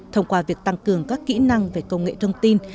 thông qua việc tăng cường các kỹ năng về công nghệ thông tin